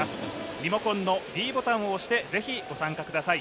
リモコンのｄボタンを押してぜひご参加ください。